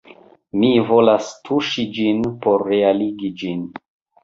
Mi volas tuŝi ĝin por realigi ĝin